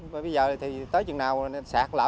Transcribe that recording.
bây giờ thì tới chừng nào sạt lở